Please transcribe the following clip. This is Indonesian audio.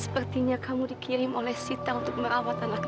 sepertinya kamu dikirim oleh sita untuk merawat anak